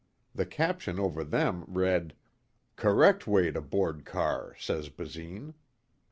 The caption over them read, "Correct Way to Board Car, Says Basine."